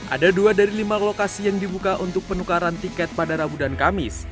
ada dua dari lima lokasi yang dibuka untuk penukaran tiket pada rabu dan kamis